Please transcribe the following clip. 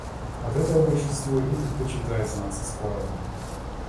От этого-то большинство и предпочитает знаться с Кларами.